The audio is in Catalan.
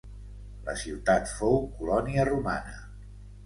La ciutat fou colònia romana.